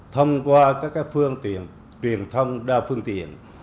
thông qua các phương tiện truyền thông đa phương tiện